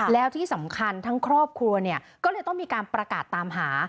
แล้วที่สำคัญทั้งครอบครัวเนี่ยก็เลยต้องมีการประกาศตามหา